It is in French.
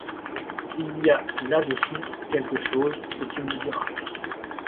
Il y a là-dessous quelque chose, et tu me le diras.